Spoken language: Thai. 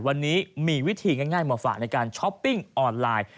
วันนี้มีวิธีง่ายมาฝากในการช้อปปิ้งออนไลน์